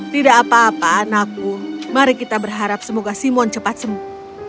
tidak apa apa anakku mari kita berharap semoga simon cepat sembuh